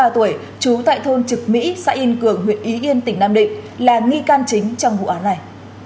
bốn mươi ba tuổi chú tại thôn trực mỹ xã yên cường huyện y yên tỉnh nam định là nghi can chính trong vụ án này